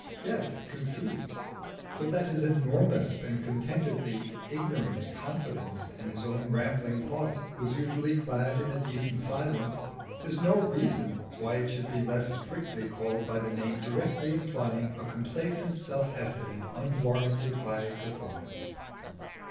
Yes, conceit; for that his enormous and contentedly ignorant confidence in his own rambling thoughts was usually clad in a decent silence, is no reason why it should be less strictly called by the name directly implying a complacent self estimate unwarranted by performance.